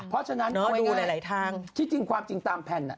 เพราะฉะนั้นความจริงตามแผ่นอ่ะ